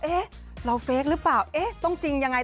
เอ๊ะเราเฟคหรือเปล่าเอ๊ะต้องจริงยังไง